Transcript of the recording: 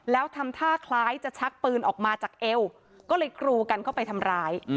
แล้วทำท่าคล้ายจะชักปืนออกมาจากเอวก็เลยกรูกันเข้าไปทำร้าย